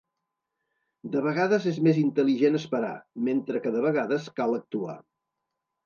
De vegades és més intel·ligent esperar, mentre que de vegades cal actuar.